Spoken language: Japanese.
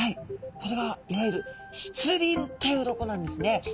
これはいわゆる鱗という鱗なんですね